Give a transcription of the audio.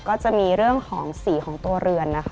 ก็จะมีเรื่องของสีของตัวเรือนนะคะ